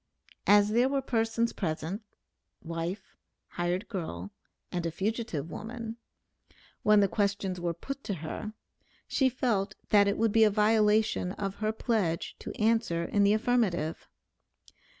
As there were persons present (wife, hired girl, and a fugitive woman), when the questions were put to her, she felt that it would be a violation of her pledge to answer in the affirmative.